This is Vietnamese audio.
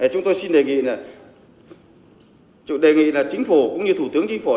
chúng tôi xin đề nghị là chính phủ cũng như thủ tướng chính phủ